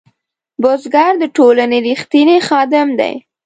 بزګر د ټولنې رښتینی خادم دی